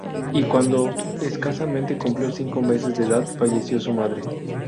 Y cuando escasamente cumplió cinco meses de edad falleció su madre.